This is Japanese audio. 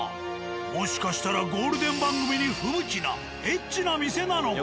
もしかしたらゴールデン番組に不向きなエッチな店なのか？